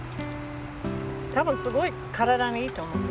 たぶんすごい体にいいと思う。